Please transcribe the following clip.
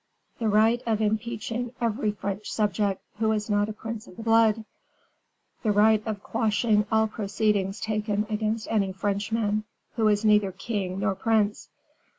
"The right of impeaching every French subject who is not a prince of the blood; the right of quashing all proceedings taken against any Frenchman, who is neither king nor prince.